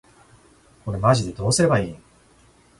これマジでどうすれば良いん？